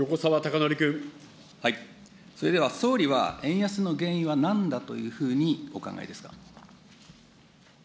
それでは総理は、円安の原因はなんだというふうにお考えですか。